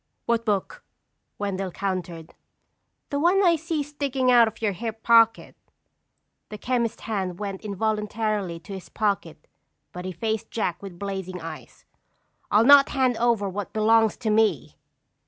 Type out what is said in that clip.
"What book?" Wendell countered. "The one I see sticking out of your hip pocket." The chemist's hand went involuntarily to his pocket but he faced Jack with blazing eyes. "I'll not hand over what belongs to me."